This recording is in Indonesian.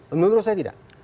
menurut saya tidak